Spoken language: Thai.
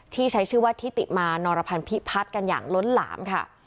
ใช้ชื่อว่าทิติมานรพันธิพัฒน์กันอย่างล้นหลามค่ะ